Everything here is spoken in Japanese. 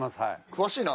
詳しいな。